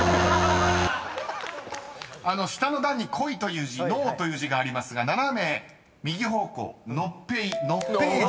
［下の段に「濃い」という字「濃」という字がありますが斜め右方向「濃餅」「濃餅汁」］